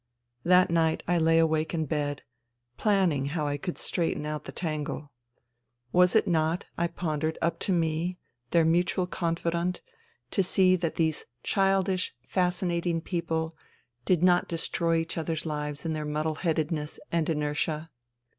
That night I lay awake in bed, planning how I could straighten out the tangle. Was it not, I pondered, up to me, their mutual confidant, to see that these childish, fascinating people did not destroy 64 FUTILITY each other's hves in their muddle headedness and inertia